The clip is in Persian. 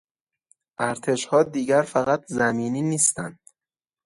ارتشها دیگر فقط زمینی نیستند.